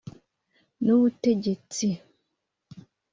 n’ubutegetsi